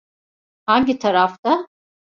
Hangi tarafta?